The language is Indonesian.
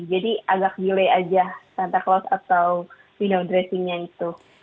jadi agak gilai saja santarelli atau window dressingnya itu